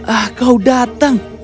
ah kau datang